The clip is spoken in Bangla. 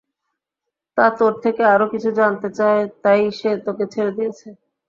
সে তোর থেকে আরও কিছু জানতে চায় তাই সে তোকে ছেড়ে দিয়েছে।